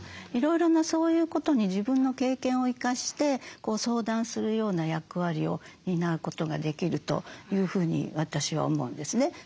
いろいろなそういうことに自分の経験を生かして相談するような役割を担うことができるというふうに私は思うんですね。